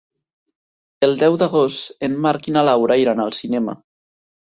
El deu d'agost en Marc i na Laura iran al cinema.